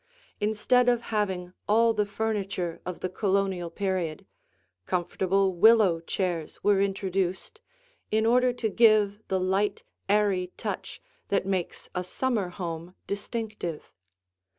Instead of having all the furniture of the Colonial period, comfortable willow chairs were introduced, in order to give the light, airy touch that makes a summer home distinctive.